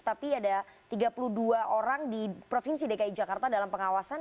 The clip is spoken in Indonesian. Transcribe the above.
tapi ada tiga puluh dua orang di provinsi dki jakarta dalam pengawasan